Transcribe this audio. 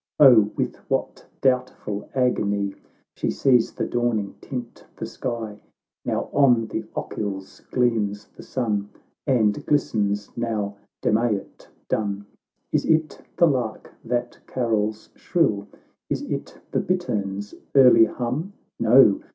O ! with what doubtful agony She sees the dawning tint the sky !— Now on the Ochils gleams the sun, And glistens now Demayet dun ; Is it the lark that carols shrill, Is it the bittern's early hum ? No